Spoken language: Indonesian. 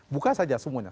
buka saja semuanya